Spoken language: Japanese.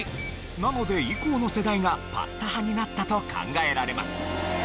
なので以降の世代がパスタ派になったと考えられます。